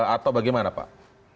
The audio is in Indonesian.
atau bagaimana pak